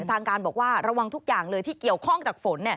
ทางการบอกว่าระวังทุกอย่างเลยที่เกี่ยวข้องจากฝน